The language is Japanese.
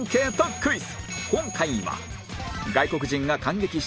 クイズ。